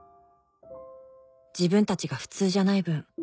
「自分たちがフツウじゃない分